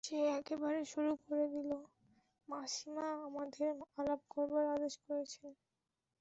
সে একেবারে শুরু করে দিলে, মাসিমা আমাদের আলাপ করবার আদেশ করেছেন।